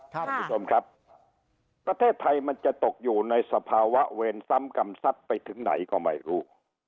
ท่านผู้ชมครับประเทศไทยมันจะตกอยู่ในสภาวะเวรซ้ำกำซับไปถึงไหนก็ไม่รู้